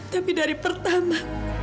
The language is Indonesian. tapi dari pertama